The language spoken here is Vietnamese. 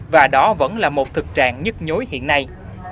và đó vẫn là một thực trạng nhức nhối hiện nay